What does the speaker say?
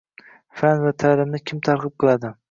➡️Fan va ta'limni kim targ'ib qiladi?